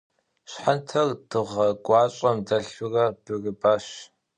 Щхьэнтэр дыгъэ гуащӏэм дэлъурэ бырыбащ.